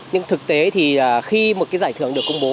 nhưng thực tế thì khi một cái giải thưởng được công bố